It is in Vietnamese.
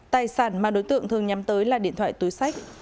tài sản mà đối tượng thường nhắm tới là điện thoại túi sách